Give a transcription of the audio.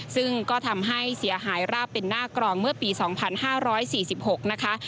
ซึ่งก็ทำให้เสียหายราบเป็นหน้ากรองเมื่อปี๒๕๔๖นะคะ